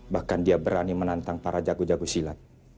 bahkan dia berani menantang para jago jago silat